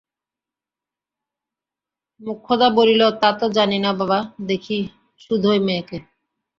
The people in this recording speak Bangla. মোক্ষদা বলিল, তা তো জানি না বাবা, দেখি শুধোই মেয়েকে।